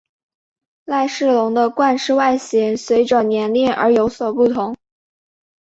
赖氏龙的冠饰外形随者年龄而有所不同。